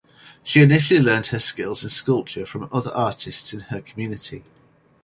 She initially learned her skills in sculpture from other artists in her community.